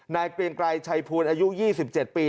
นายเกรียญกรายชัยภูนย์อายุ๒๗ปี